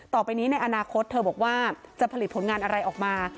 ต่อไปนี้ในอนาคตเธอบอกว่าจะผลิตผลงานอะไรออกมา